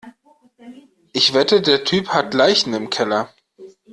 Ich wette, der Typ hat Leichen im Keller.